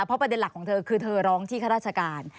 เพราะประเด็นหลักของเธอคือเธอร้องที่ข้าราชการ